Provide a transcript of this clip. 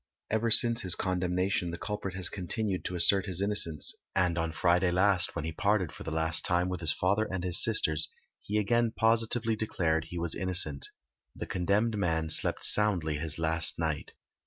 Ever since his condemnation the culprit has continued to assert his innocence, and on Friday last, when he parted for the last time with his father and his sisters, he again positively declared he was innocent. The condemned man slept soundly his last night.